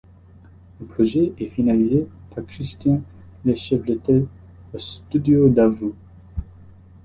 Le projet est finalisé par Christian Lechevretel au studio Davout.